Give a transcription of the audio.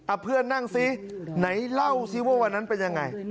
เพื่อนนั่งสิไหนเล่าสิว่าวันนั้นเป็นยังไง